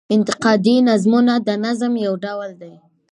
انتقادي نظمونه د نظم يو ډول دﺉ.